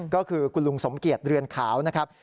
ก็คือคุณลุงสมเกียจเรือนขาวนะครับ